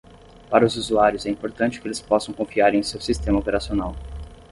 Para os usuários, é importante que eles possam confiar em seu sistema operacional.